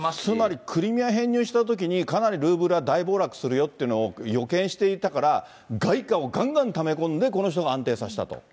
つまり、クリミア編入したときに、かなりルーブルは大暴落するよっていうことを予見していたから、外貨をがんがんため込んで、そうですね。